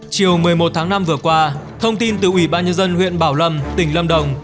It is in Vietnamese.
chiều một mươi một tháng năm vừa qua thông tin từ ủy ban nhân dân huyện bảo lâm tỉnh lâm đồng